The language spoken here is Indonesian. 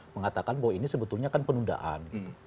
mengatakan bahwa ini sebetulnya kan penundaan